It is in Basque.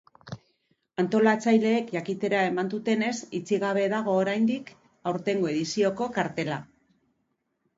Antolatzaileek jakitera eman dutenez, itxi gabe dago oraindik aurtengo edizioko kartela.